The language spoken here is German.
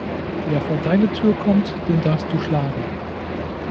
Wer vor deine Tür kommt, den darfst Du Schlagen.